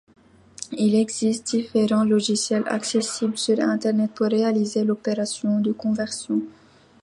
Il existe différents logiciels accessibles sur Internet pour réaliser l'opération de conversion.